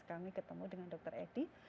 kami ketemu dengan dokter edi